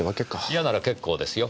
嫌なら結構ですよ。